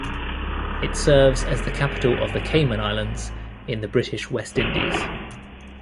It serves as the capital of the Cayman Islands, in the British West Indies.